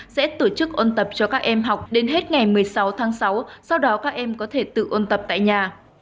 sẽ tổ chức ôn tập cho các em học đến hết ngày một mươi sáu tháng sáu sau đó các em có thể tự ôn tập tại nhà